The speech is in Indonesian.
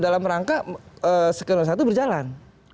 dalam rangka skenario satu berjalan